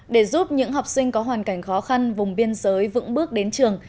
để giúp những học sinh có hoàn cảnh khó khăn vùng biên giới vững bước đến trường